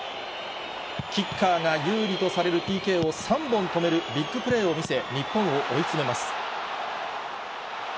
キッカーが有利とされるＰＫを３本止めるビッグプレーを見せ、日本を追い詰めます。